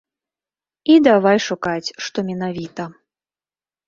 І давай шукаць, што менавіта.